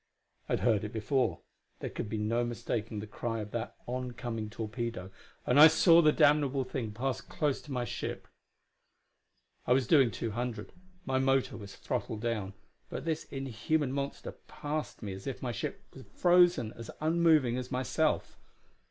I had heard it before there could be no mistaking the cry of that oncoming torpedo and I saw the damnable thing pass close to my ship. I was doing two hundred my motor was throttled down but this inhuman monster passed me as if my ship were frozen as unmoving as myself.